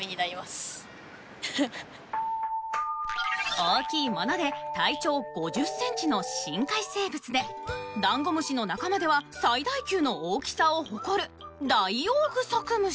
大きいもので体長５０センチの深海生物でダンゴムシの仲間では最大級の大きさを誇るダイオウグソクムシ。